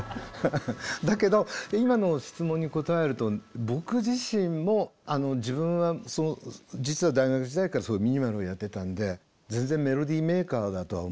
だけど今の質問に答えると僕自身も自分は実は大学時代からそういうミニマルをやってたんで全然メロディーメーカーだとは思っていなかった。